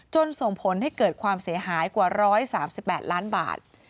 ส่งผลให้เกิดความเสียหายกว่า๑๓๘ล้านบาท